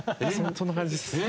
そんな感じです。